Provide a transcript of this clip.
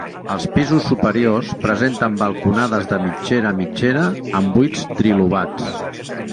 Els pisos superiors presenten balconades de mitgera a mitgera, amb buits trilobats.